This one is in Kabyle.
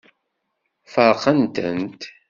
Feṛqen-tent.